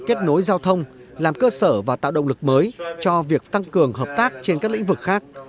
kết nối giao thông làm cơ sở và tạo động lực mới cho việc tăng cường hợp tác trên các lĩnh vực khác